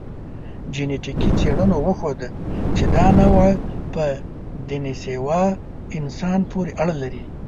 جنټیکي څېړنو وښوده، چې دا نوعه په دنیسووا انسان پورې اړه لري.